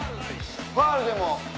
ファウルでも。